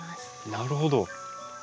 なるほど。